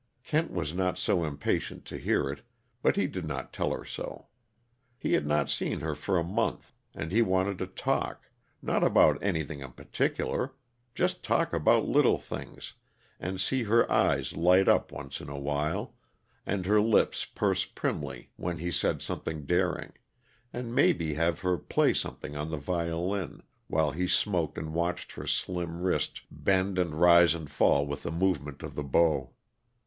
Kent was not so impatient to hear it, but he did not tell her so. He had not seen her for a month, and he wanted to talk; not about anything in particular just talk about little things, and see her eyes light up once in a while, and her lips purse primly when he said something daring, and maybe have her play something on the violin, while he smoked and watched her slim wrist bend and rise and fall with the movement of the bow.